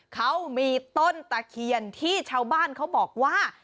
เขามีต้นตะเคียนที่ชาวบ้านเขาบอกว่า